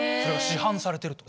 市販されてる？